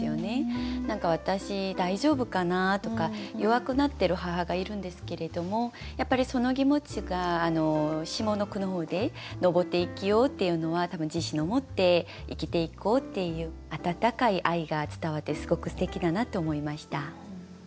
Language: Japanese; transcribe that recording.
何か「私大丈夫かな？」とか弱くなってる母がいるんですけれどもやっぱりその気持ちが下の句の方で「登って生きよ」っていうのは多分自信を持って生きていこうっていう温かい愛が伝わってすごくすてきだなって思いました。